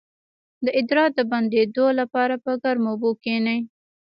د ادرار د بندیدو لپاره په ګرمو اوبو کینئ